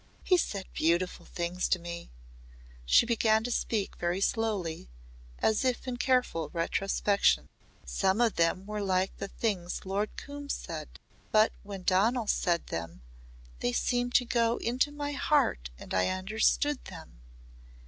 He said beautiful things to me " She began to speak very slowly as if in careful retrospection. "Some of them were like the things Lord Coombe said. But when Donal said them they seemed to go into my heart and I understood them.